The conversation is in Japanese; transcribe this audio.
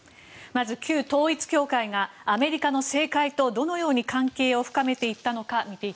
まず旧統一教会がアメリカの政界とどのように関係を深めていったのか